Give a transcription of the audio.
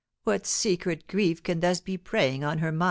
What secret grief can thus be preying on her mind?"